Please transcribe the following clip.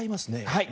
はい。